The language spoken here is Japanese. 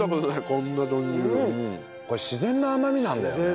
これ自然の甘みなんだよね。